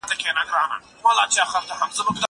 هغه څوک چي وخت تنظيموي منظم وي!